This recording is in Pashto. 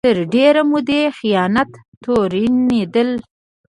تر ډېرې مودې خیانت تورنېدل